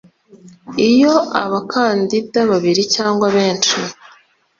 iyo abakandida babiri cyangwa benshi